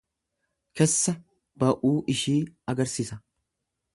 Kessa ba'uu ishii argisisa.